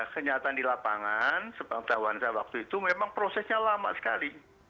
kenyataan di lapangan sepengetahuan saya waktu itu memang prosesnya lama sekali